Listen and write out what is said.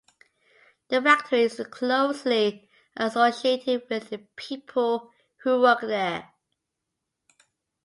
The factory is closely associated with the people who work there.